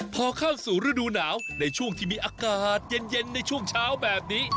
พอเข้าสู่ฤดูหนาวในช่วงที่มีอากาศเย็นในช่วงเช้าแบบนี้